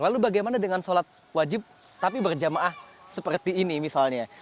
lalu bagaimana dengan sholat wajib tapi berjamaah seperti ini misalnya